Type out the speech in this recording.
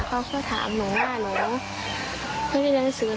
เขาเข้าถามหนูว่าหนูไม่ได้รันสือหรอ